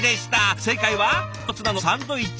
正解は卵とツナのサンドイッチ。